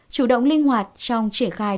chủ động linh hoạt trong triển khai